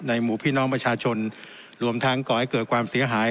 หมู่พี่น้องประชาชนรวมทั้งก่อให้เกิดความเสียหาย